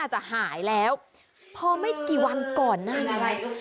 จะหายแล้วพอไม่กี่วันก่อนหน้านี้